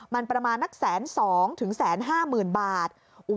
มันประมาณ๑๒๐๐๐๐๑๕๐๐๐๐บาท